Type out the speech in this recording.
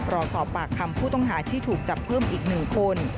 รอสอบปากคำผู้ต้องหาที่ถูกจับเพิ่มอีก๑คน